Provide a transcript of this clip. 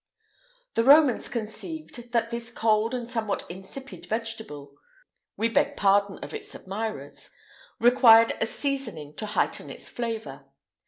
The Romans conceived that this cold and somewhat insipid vegetable (we beg pardon of its admirers) required a seasoning to heighten its flavour.